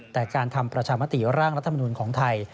แต่การทำประชามติร่างรัฐมนุนของไทย